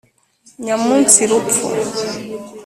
nyamunsi: rupfu